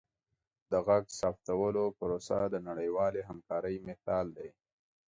د غږ ثبتولو پروسه د نړیوالې همکارۍ مثال دی.